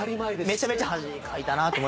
めちゃめちゃ恥かいたなと。